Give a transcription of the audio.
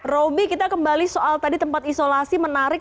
roby kita kembali soal tadi tempat isolasi menarik